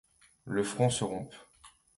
Le front se rompt.